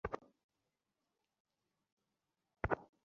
তুই কিভাবে বুঝবি আলাদা আলাদা দেশে থাকার নেশা কেমন হয়?